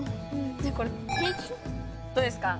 これどうですか？